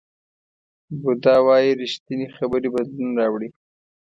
بودا وایي ریښتینې خبرې بدلون راوړي.